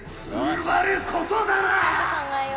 ちゃんと考えよう。